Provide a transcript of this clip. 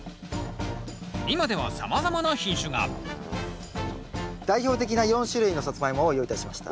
今ではさまざまな品種が代表的な４種類のサツマイモを用意いたしました。